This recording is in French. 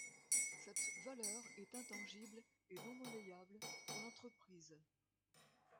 Cette valeur est intangible et non monnayable pour l'entreprise.